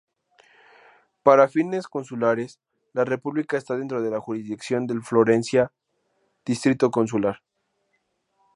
Para fines consulares, la república está dentro de la jurisdicción del Florencia distrito consular.